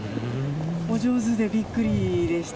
お上手でびっくりでした。